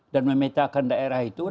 dan memetakan daerah itu